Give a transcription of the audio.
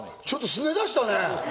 すね出したね。